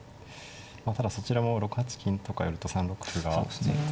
ただそちらも６八金とか寄ると３六歩がちょっと。